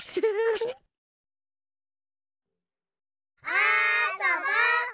あそぼ！